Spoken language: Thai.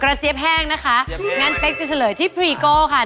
เจี๊ยบแห้งนะคะงั้นเป๊กจะเฉลยที่พรีโก้ค่ะ